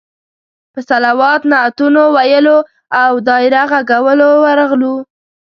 په صلوات، نعتونو ویلو او دایره غږولو ورغلو.